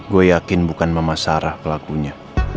gue yakin bukan mama sarah pelakunya